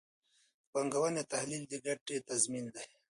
د پانګونې تحلیل د ګټې تضمین دی.